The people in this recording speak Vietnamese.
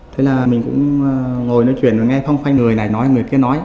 thế là mình cũng ngồi nói chuyện và nghe phong phanh người này nói người kia nói